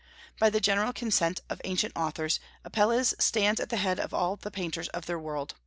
By the general consent of ancient authors, Apelles stands at the head of all the painters of their world.